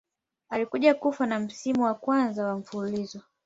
Alikuja kufa wa msimu wa kwanza wa mfululizo.